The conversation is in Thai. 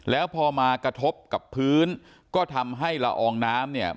แล้วพอมากระทบกับพื้นก็ทำให้ละอองน้ำเนี่ย